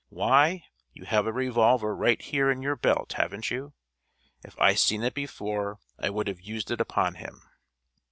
Why! you have a revolver right here in your belt, haven't you? If I seen it before, I would have used it upon him!"